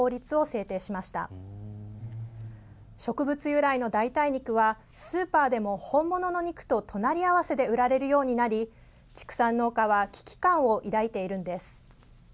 由来の代替肉はスーパーでも本物の肉と隣り合わせで売られるようになり畜産農家は危機感を抱いているんです。